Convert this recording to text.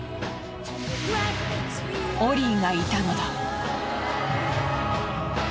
オリーがいたのだ。